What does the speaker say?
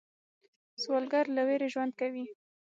سوالګر له ویرې ژوند کوي